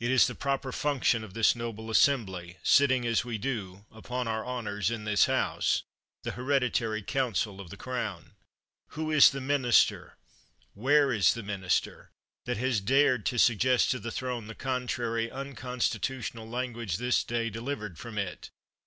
It is the proper function of this noble assembly, sitting, as we do, upon our honors in this House, the heredi tary council of the Crown. Who is the minister — where is the minister, that has dared to sug gest to the Throne the contrary, unconstitutional language this day delivered from it?